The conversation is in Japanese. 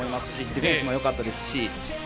ディフェンスもよかったです。